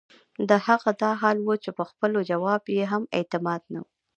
د هغه دا حال وۀ چې پۀ خپل جواب ئې هم اعتماد نۀ وۀ